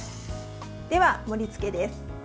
では、盛りつけです。